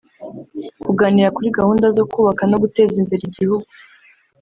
kuganira kuri gahunda zo kubaka no guteza imbere igihugu